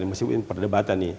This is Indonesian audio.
ini masih diperdebatan nih